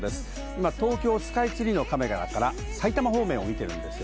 今、東京スカイツリーのカメラから埼玉方面を見ています。